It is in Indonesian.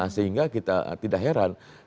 sehingga kita tidak heran